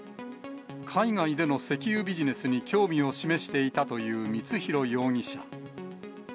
海外での石油ビジネスに興味を示していたという光弘容疑者。